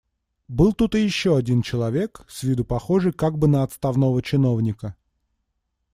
Был тут и еще один человек, с виду похожий как бы на отставного чиновника.